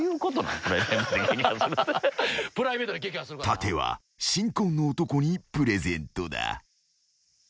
［盾は新婚の男にプレゼントだ］